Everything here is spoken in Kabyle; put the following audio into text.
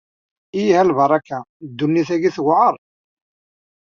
Ih a lbaraka, ddunnit-agi tewεeṛ!